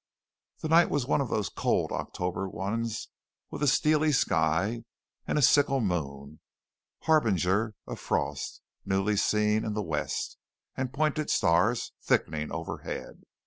The night was one of those cold October ones with a steely sky and a sickle moon, harbinger of frost, newly seen in the west, and pointed stars thickening overhead.